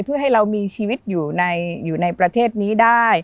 เพื่อให้เรามีชีวิตอยู่ในประเทศนี้ได้